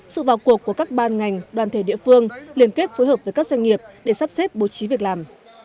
sự vào cuộc của các ban ngành đoàn thể địa phương liên kết phối hợp với các doanh nghiệp để sắp xếp bố trí việc làm